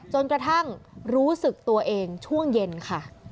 กระทั่งรู้สึกตัวเองช่วงเย็นค่ะ